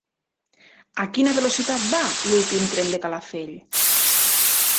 A quina velocitat va l'últim tren de Calafell?